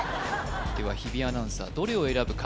では日比アナウンサーどれを選ぶか？